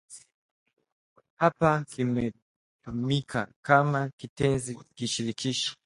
Hapa kimetumika kama kitenzi kishirikishi